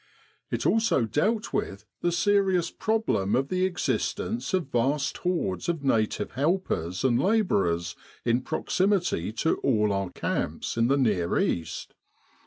It also dealt with the serious problem of the existence of vast hordes of native helpers and labourers in proximity to all our camps in the Near East.